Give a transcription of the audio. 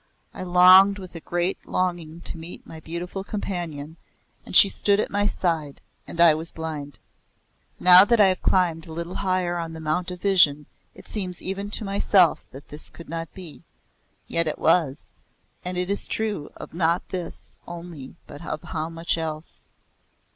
I longed with a great longing to meet my beautiful companion, and she stood at my side and I was blind. Now that I have climbed a little higher on the Mount of Vision it seems even to myself that this could not be. Yet it was, and it is true of not this only but of how much else!